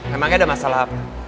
emangnya ada masalah apa